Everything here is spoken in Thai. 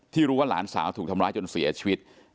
รู้ว่าหลานสาวถูกทำร้ายจนเสียชีวิต